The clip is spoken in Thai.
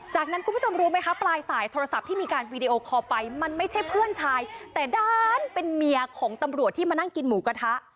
จากนั้นคุณผู้ชมรู้ไหมคะปลายสายโทรศัพท์ที่มีการวีดีโอคอลไปมันไม่ใช่เพื่อนชายแต่ด้านเป็นเมียของตำรวจที่มานั่งกินหมูกระทะ